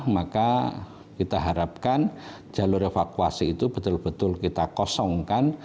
maka kita harapkan jalur evakuasi itu betul betul kita kosongkan